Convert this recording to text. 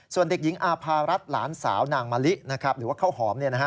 ส่วนเด็กหญิงอาภารัฐหลานสาวนางมะลิหรือว่าข้าวหอม